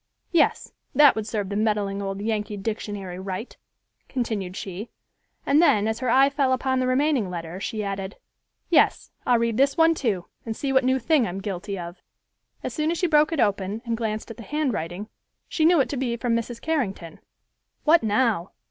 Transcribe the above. Yes, that would serve the meddling old Yankee Dictionary right," continued she, and then, as her eye fell upon the remaining letter, she added, "Yes, I'll read this one too, and see what new thing I'm guilty of!" As soon as she broke it open and glanced at the handwriting, she knew it to be from Mrs. Carrington. "What now?"